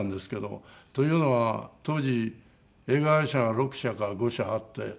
というのは当時映画会社が６社か５社あって。